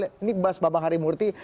ini bas bapak hari murti